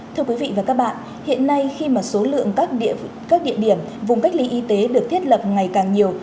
thưa quý vị và các bạn hiện nay khi mà số lượng các địa điểm vùng cách ly y tế được thiết lập ngày càng nhiều